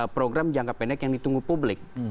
program jangka pendek yang ditunggu publik